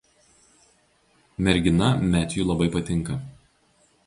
Mergina Metju labai patinka.